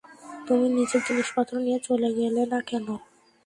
তুমি নিজের জিনিসপত্র নিয়ে চলে গেলে না কেন?